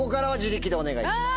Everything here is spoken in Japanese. でお願いします。